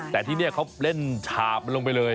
แต่ที่นี่เขาเล่นฉาบมันลงไปเลย